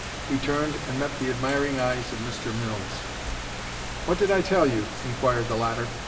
He turned and met the admiring eyes of Mr. Mills. "What did I tell you?" inquired the latter.